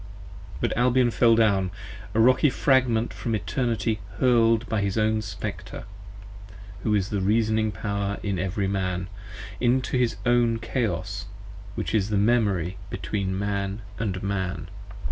But Albion fell down, a Rocky fragment from Eternity hurl'd By his own Spectre, who is the Reasoning Power in every Man, Into his own Chaos which is the Memory between Man & Man.